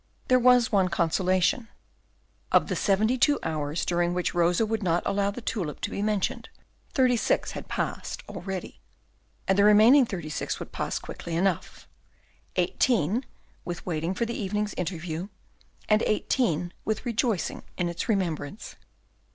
There was one consolation: of the seventy two hours during which Rosa would not allow the tulip to be mentioned, thirty six had passed already; and the remaining thirty six would pass quickly enough: eighteen with waiting for the evening's interview, and eighteen with rejoicing in its remembrance.